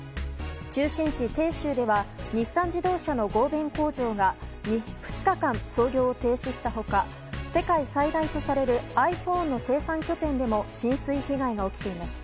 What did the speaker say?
中心地・鄭州では日産自動車の合弁工場が２日間、操業を停止した他世界最大とされるｉＰｈｏｎｅの生産拠点でも浸水被害が起きています。